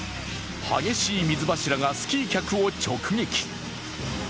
激しい水柱がスキー客を直撃。